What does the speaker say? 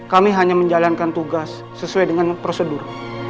kami hanya menjalankan tugas sesuai dengan prosedur